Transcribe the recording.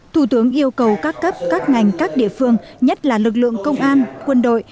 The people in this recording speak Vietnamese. thủ tướng yêu cầu các cấp các ngành các địa phương nhất là lực lượng công an quân đội